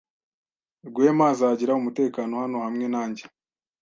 Rwema azagira umutekano hano hamwe nanjye.